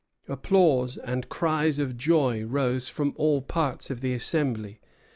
Applause and cries of joy rose from all parts of the assembly.